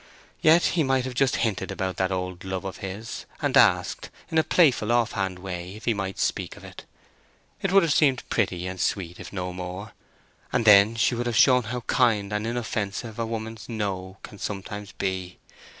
Yet he might have just hinted about that old love of his, and asked, in a playful off hand way, if he might speak of it. It would have seemed pretty and sweet, if no more; and then she would have shown how kind and inoffensive a woman's "No" can sometimes be.